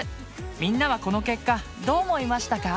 みんなはこの結果どう思いましたか？